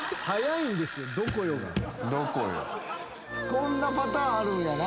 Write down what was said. こんなパターンあるんやな。